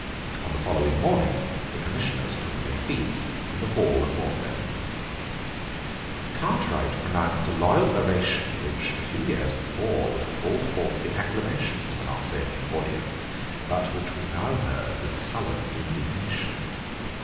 On the following morning the Commissioners took their seats in the hall of Magdalene. Cartwright pronounced a loyal oration which, a few years before, would have called forth the acclamations of an Oxonian audience, but which was now heard with sullen indignation.